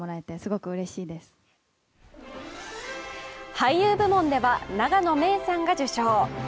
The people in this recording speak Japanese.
俳優部門では永野芽郁さんが受賞。